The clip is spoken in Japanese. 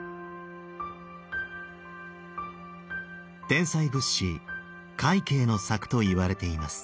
天才仏師快慶の作といわれています。